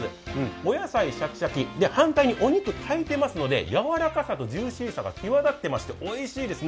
お野菜シャキシャキ、反対にお肉、炊いてますのでやわらかさとジューシーさが際立ってまして、おいしいですね。